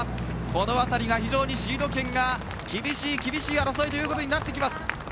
この辺りが非常にシード権が厳しい厳しい争いになってきます。